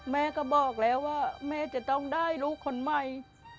แม่ก็บอกแล้วว่าแม่จะต้องได้ลูกคนใหม่